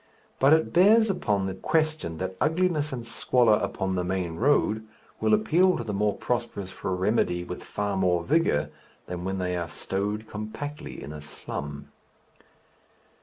But it bears upon the question that ugliness and squalor upon the main road will appeal to the more prosperous for remedy with far more vigour than when they are stowed compactly in a slum.